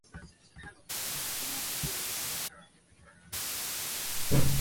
塞林安姆罗斯奇幻小说的虚构地名。